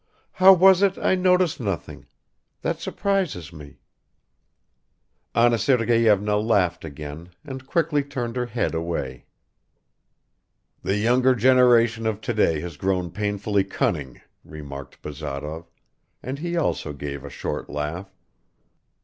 How was it I noticed nothing? That surprises me." Anna Sergeyevna laughed again and quickly turned her head away. "The younger generation of today has grown painfully cunning," remarked Bazarov, and he also gave a short laugh.